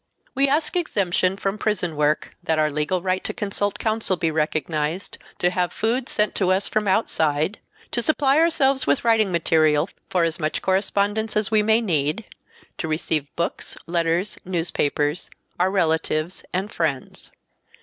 We ask exemption from prison work, that our legal right to consult counsel be recognized, to have food sent to us from outside, to supply ourselves with writing material for as much correspondence as we may need, to receive books, letters, newspapers, our relatives and friends.